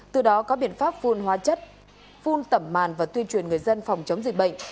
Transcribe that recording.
từ đó có biện pháp phun hóa chất phun tẩm màn và tuyên truyền người dân phòng chống dịch bệnh